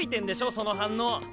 その反応！